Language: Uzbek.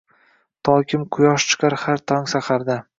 Tokim quyosh chiqar har tong saharda